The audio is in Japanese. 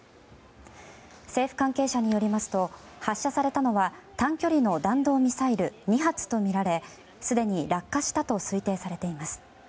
政府関係者によりますと発射されたのは短距離の弾道ミサイル２発とみられすでに落下したと推定されています。